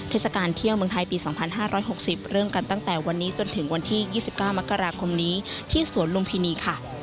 เทศกาลเที่ยวเมืองไทยปี๒๕๖๐เริ่มกันตั้งแต่วันนี้จนถึงวันที่๒๙มกราคมนี้ที่สวนลุมพินีค่ะ